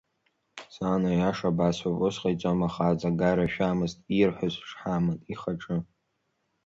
Сан, аиаша басҳәап, ус ҟаиҵом ахаҵа, гарашәамызт, ирҳәоз, шҳамын, ихаҿы.